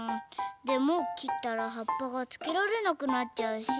でもきったらはっぱがつけられなくなっちゃうし。